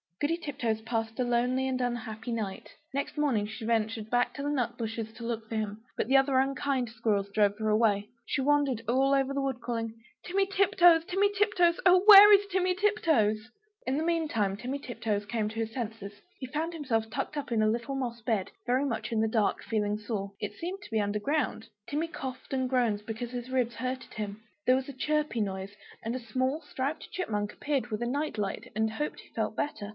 Goody Tiptoes passed a lonely and unhappy night. Next morning she ventured back to the nut bushes to look for him; but the other unkind squirrels drove her away. She wandered all over the wood, calling "Timmy Tiptoes! Timmy Tiptoes! Oh, where is Timmy Tiptoes?" In the meantime Timmy Tiptoes came to his senses. He found himself tucked up in a little moss bed, very much in the dark, feeling sore; it seemed to be under ground. Timmy coughed and groaned, because his ribs hurted him. There was a chirpy noise, and a small striped Chipmunk appeared with a night light, and hoped he felt better?